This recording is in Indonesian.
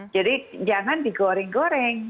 jadi jangan digoreng goreng